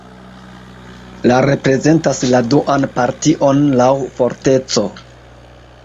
La reprezentas la duan partion laŭ forteco.